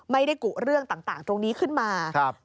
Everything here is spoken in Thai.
กุเรื่องต่างตรงนี้ขึ้นมา